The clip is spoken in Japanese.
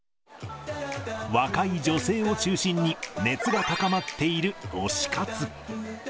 若い女性を中心に熱が高まっている推し活。